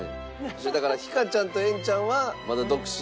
だからひかちゃんとえんちゃんはまだ独身で。